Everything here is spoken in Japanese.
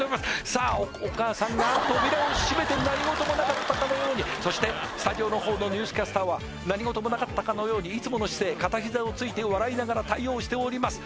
さあお母さんが扉を閉めて何事もなかったかのようにそしてスタジオの方のニュースキャスターは何事もなかったかのようにいつもの姿勢片肘をついて笑いながら対応しております